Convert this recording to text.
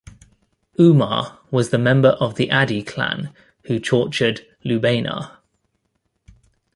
Umar was the member of the Adi clan who tortured Lubaynah.